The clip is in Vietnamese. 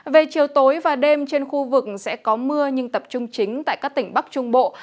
về chiều tối và đêm trên khu vực sẽ có mưa nhưng tập trung chính tại các tỉnh bắc trung bộ